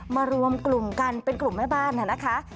รวมกลุ่มกันเป็นกลุ่มแม่บ้านนะคะ